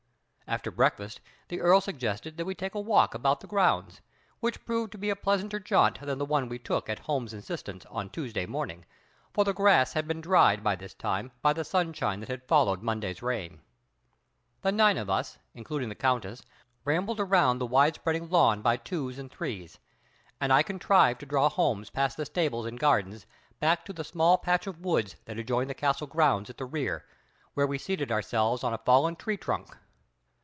After breakfast the Earl suggested that we take a walk about the grounds, which proved to be a pleasanter jaunt than the one we took at Holmes's insistence on Tuesday morning; for the grass had been dried by this time by the sunshine that had followed Monday's rain. The nine of us, including the Countess, rambled around the wide spreading lawn by twos and threes, and I contrived to draw Holmes past the stables and gardens back to the small patch of woods that adjoined the castle grounds at the rear, where we seated ourselves on a fallen tree trunk.